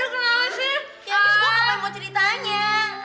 ya gue apa yang mau ceritanya